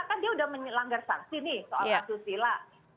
kan dia sudah melanggar saksi nih soal asusila